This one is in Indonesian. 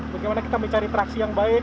bagaimana kita mencari praksi yang baik